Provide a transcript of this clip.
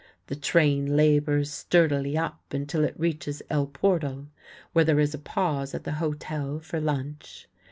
The train labors sturdily up until it reaches El Portal, where there is a pause at the hotel for lunch.